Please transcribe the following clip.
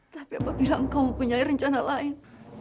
tapi apabila engkau mempunyai rencana lain